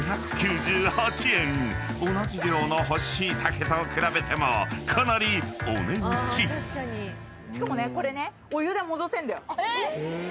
［同じ量の干しシイタケと比べてもかなりお値打ち］しかもねこれね。